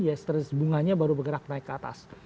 us treasury bunganya baru bergerak naik ke atas